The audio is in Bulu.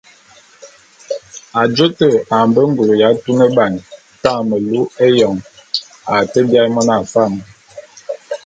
Ajô te a mbe ngule ya tuneban tañe melu éyoñ a te biaé mona fam.